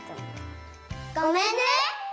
ごめんね。